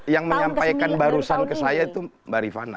yang menyampaikan barusan ke saya itu mbak rifana